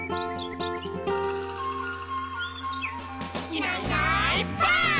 「いないいないばあっ！」